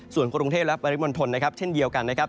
ส่วนกรุงเทพและปริมณฑลนะครับเช่นเดียวกันนะครับ